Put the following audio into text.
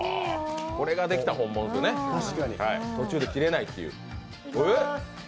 これができたら本物ですよね、途中で切れないっていう。